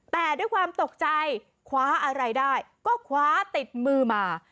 แต่ด้วยความตกใจคว้าอะไรได้ก็คว้าติดมือมา